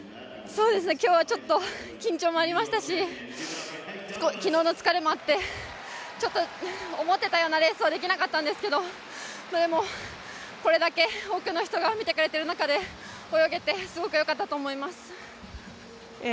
今日はちょっと緊張もありましたし昨日の疲れもあって、ちょっと思っていたようなレースはできなかったんですがこれだけ多くの人が見てくれている中で泳げてすごく良かったと思います。